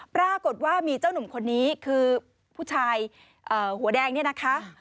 ปรากฏว่ามีเจ้าหนุ่มคนนี้คือผู้ชายหัวแดงเนี่ยนะคะ